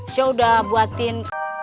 saya sudah membuatkan